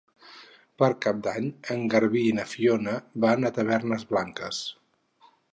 Per Cap d'Any en Garbí i na Fiona van a Tavernes Blanques.